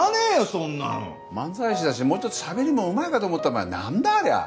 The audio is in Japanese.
そんなの漫才師だしもうちょっとしゃべりもうまいかと思ったらお前何だありゃ。